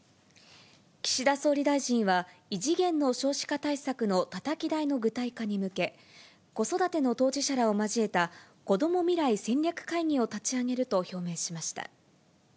岸田総理大臣は、異次元の少子化対策のたたき台の具体化に向け、子育ての当事者らを交えた、こども未来戦略会議を立ち上げると表明しました。